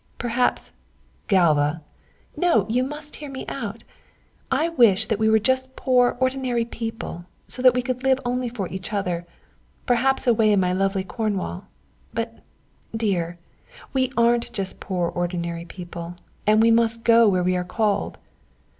Perhaps " "Galva!" "No, you must hear me out. Oh, I wish that we were just poor ordinary people, so that we could live only for each other, perhaps away in my lovely Cornwall. But, dear, we aren't just poor ordinary people, and we must go where we are called."